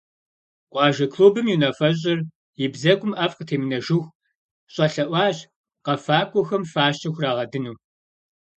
Къуажэ клубым и унафэщӀыр и бзэгум ӀэфӀ къытемынэжыху щӀэлъэӀуащ къэфакӀуэхэм фащэ хурагъэдыну.